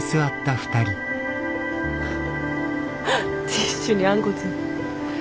ティッシュにあんこついて。